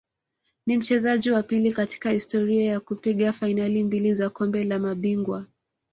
Ni mchezaji wa pili katika historia ya kupiga fainali mbili za Kombe la Mabingwa